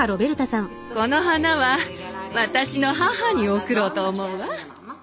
この花は私の母に贈ろうと思うわ。